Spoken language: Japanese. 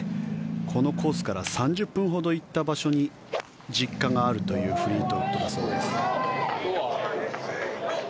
このコースから３０分ほど行った場所に実家があるというフリートウッドだそうです。